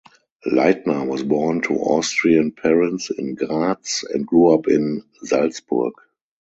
Leitner was born to Austrian parents in Graz and grew up in Salzburg.